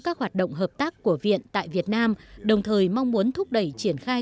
các hoạt động hợp tác của viện tại việt nam đồng thời mong muốn thúc đẩy triển khai